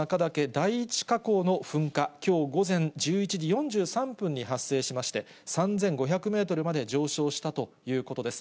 第１火口の噴火、きょう午前１１時４３分に発生しまして、３５００メートルまで上昇したということです。